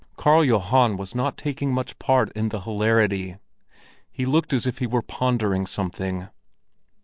Karl Johan was not taking much part in the hilarity; he looked as if he were pondering something.